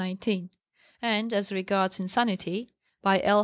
219) and, as regards insanity, by L.